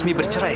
tidak pak ibu